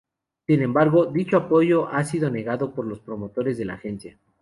Sin embargo, dicho apoyo ha sido negado por los promotores de la agencia.